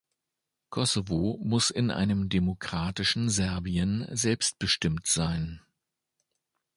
Kosovo muss in einem demokratischen Serbien selbstbestimmt sein.